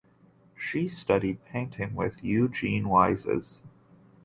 She studied painting with Eugen Weisz.